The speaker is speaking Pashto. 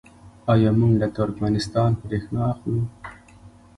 آیا موږ له ترکمنستان بریښنا اخلو؟